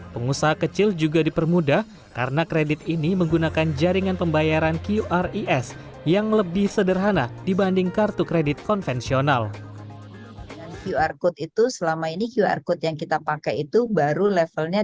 pengusaha kecil juga dipermudah karena kredit ini menggunakan jaringan pembayaran qris yang lebih sederhana dibanding kartu kredit konvensional